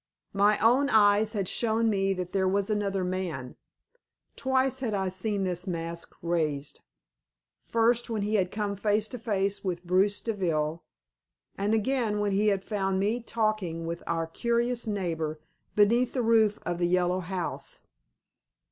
My own eyes had shown me that there was another man. Twice had I seen this mask raised; first when he had come face to face with Bruce Deville, and again when he had found me talking with our curious neighbor beneath the roof of the Yellow House.